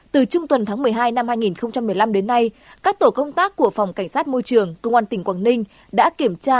từ trung tuần tháng một mươi hai năm hai nghìn một mươi năm đến nay các tổ công tác của phòng cảnh sát môi trường công an tỉnh quảng ninh đã kiểm tra